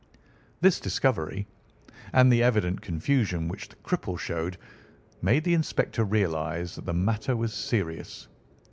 "This discovery, and the evident confusion which the cripple showed, made the inspector realise that the matter was serious.